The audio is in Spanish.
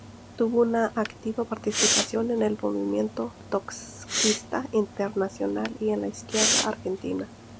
Tuvo una activa participación en el movimiento trotskista internacional y en la izquierda argentina.